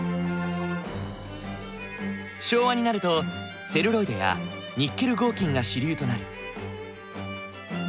昭和になるとセルロイドやニッケル合金が主流となる。